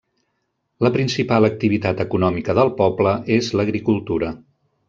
La principal activitat econòmica del poble és l'agricultura.